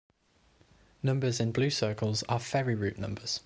Numbers in blue circles are ferry route numbers.